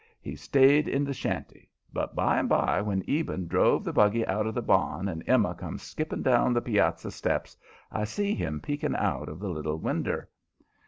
He stayed in the shanty. But by and by, when Eben drove the buggy out of the barn and Emma come skipping down the piazza steps, I see him peeking out of the little winder.